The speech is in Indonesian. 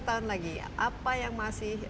lima tahun lagi apa yang masih